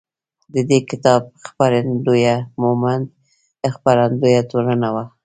د دې کتاب خپرندویه مومند خپروندویه ټولنه ده.